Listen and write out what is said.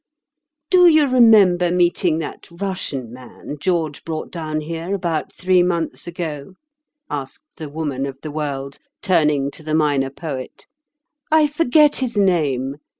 "Do you remember meeting that Russian man George brought down here about three months ago?" asked the Woman of the World, turning to the Minor Poet. "I forget his name.